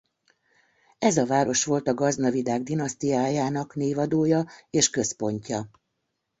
Ez a város volt a Gaznavidák dinasztiájának névadója és központja.